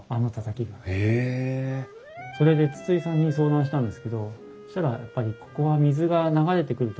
それで筒井さんに相談したんですけどそしたらやっぱり水が流れてくる？